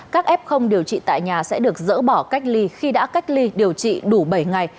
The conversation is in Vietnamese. các f điều trị tại nhà sẽ được dỡ bỏ cách ly khi đã cách ly điều trị đủ bảy ngày